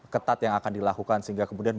ketat yang akan dilakukan sehingga kemudian